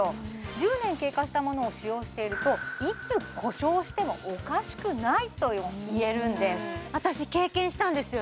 １０年経過したものを使用しているといつ故障してもおかしくないといえるんです私経験したんですよ